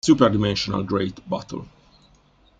Super-Dimensional Great Battle!!